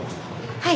はい。